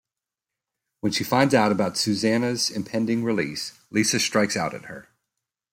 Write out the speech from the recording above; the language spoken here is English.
When she finds out about Susanna's impending release, Lisa strikes out at her.